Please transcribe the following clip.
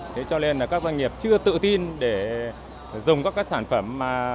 thế cho nên là các doanh nghiệp chưa tự tin để dùng các cái sản phẩm